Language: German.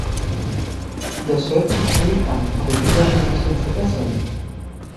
Das hört sich schön an, aber wie soll sie sich denn verbessern?